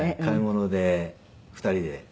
買い物で２人で。